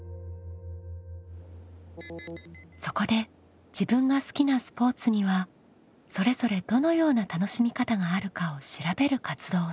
そこで自分が好きなスポーツにはそれぞれどのような楽しみ方があるかを調べる活動をします。